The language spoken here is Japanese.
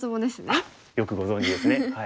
あっよくご存じですね。